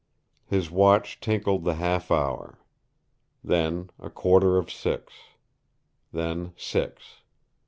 His watch tinkled the half hour. Then a quarter of six. Then six.